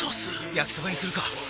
焼きそばにするか！